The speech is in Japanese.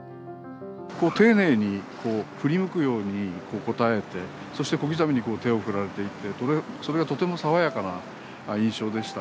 丁寧に振り向くように応えて、そして小刻みに手を振られていて、それがとても爽やかな印象でした。